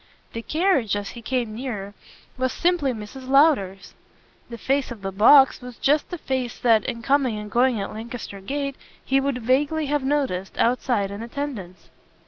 The carriage, as he came nearer, was simply Mrs. Lowder's; the face on the box was just the face that, in coming and going at Lancaster Gate, he would vaguely have noticed, outside, in attendance.